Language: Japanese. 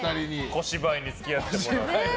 小芝居に付き合ってもらって。